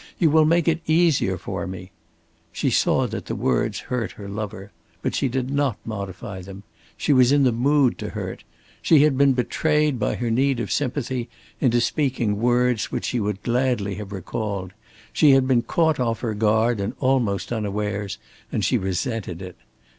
You will make it easier for me"; she saw that the words hurt her lover. But she did not modify them. She was in the mood to hurt. She had been betrayed by her need of sympathy into speaking words which she would gladly have recalled; she had been caught off her guard and almost unawares; and she resented it.